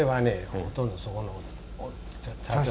ほとんどそこの。